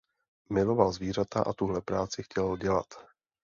Miloval zvířata a tuhle práci chtěl dělat.